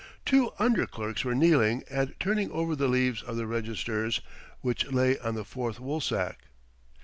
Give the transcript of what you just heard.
Two under clerks were kneeling, and turning over the leaves of the registers which lay on the fourth woolsack.